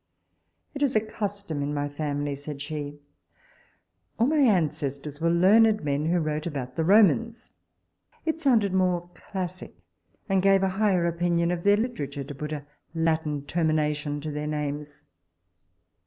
It is a custom in my family, said she: all my ancestors were learned men, who wrote about the Romans. It sounded more classic, and gave a higher opinion of their literature, to put a Latin termination to their names.